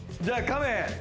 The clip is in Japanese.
じゃあカメ